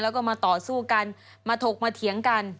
แล้วก็มาต่อสู้กันมาถกมาเถียงกัน